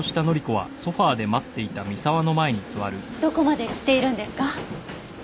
どこまで知っているんですか？